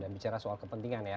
dan bicara soal kepentingan ya